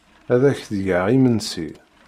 Ad ak-d-geɣ imensi.